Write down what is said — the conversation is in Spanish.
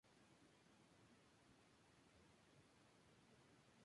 El interior de la isla está dividida por numerosos ríos.